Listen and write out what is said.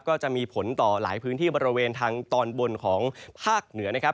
ก็จะมีผลต่อหลายพื้นที่บริเวณทางตอนบนของภาคเหนือนะครับ